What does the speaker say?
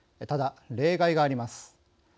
ただ例外があります。